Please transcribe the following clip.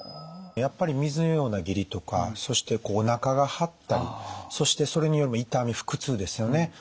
やっぱり水のような下痢とかそしておなかが張ったりそしてそれによる痛み腹痛ですよね。